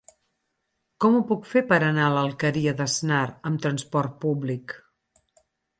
Com ho puc fer per anar a l'Alqueria d'Asnar amb transport públic?